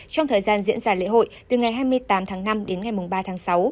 trong thời gian diễn ra lễ hội từ ngày hai mươi tám tháng năm đến ngày ba tháng sáu